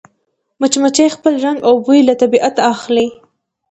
مچمچۍ خپل رنګ او بوی له طبیعته اخلي